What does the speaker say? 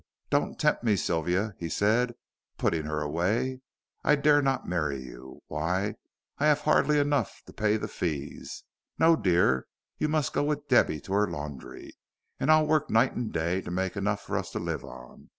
"Don't tempt me, Sylvia," he said, putting her away, "I dare not marry you. Why, I have hardly enough to pay the fees. No, dear, you must go with Debby to her laundry, and I'll work night and day to make enough for us to live on.